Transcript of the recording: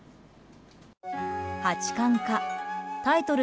八冠かタイトル